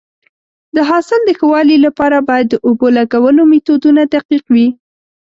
د حاصل د ښه والي لپاره باید د اوبو لګولو میتودونه دقیق وي.